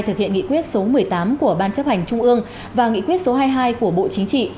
thực hiện nghị quyết số một mươi tám của ban chấp hành trung ương và nghị quyết số hai mươi hai của bộ chính trị